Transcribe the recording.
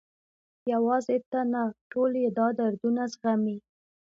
یوازې ته نه، ټول یې دا دردونه زغمي.